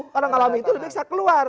karena mengalami itu lebih bisa keluar